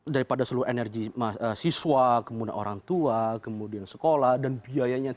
daripada seluruh energi siswa kemudian orang tua kemudian sekolah dan biayanya